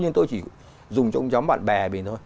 nhưng tôi chỉ dùng cho ông nhóm bạn bè mình thôi